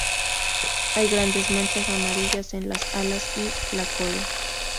Hay grandes manchas amarillas en las alas y la cola.